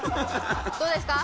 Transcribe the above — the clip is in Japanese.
どうですか？